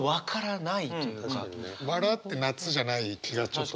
「ばら」って夏じゃない気がちょっと。